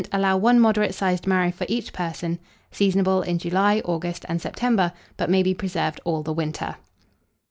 Allow 1 moderate sized marrow for each person. Seasonable in July, August, and September; but may be preserved all the winter.